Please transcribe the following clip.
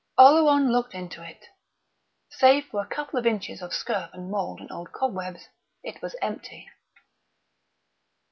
Oleron looked into it. Save for a couple of inches of scurf and mould and old cobwebs it was empty.